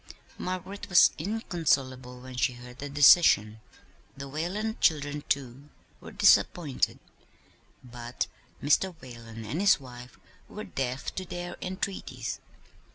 Margaret was inconsolable when she heard the decision. The Whalen children, too, were disappointed; but Mr. Whalen and his wife were deaf to their entreaties.